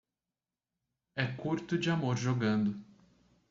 É curto de amor jogando